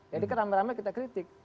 jadi kerama rama kita kritik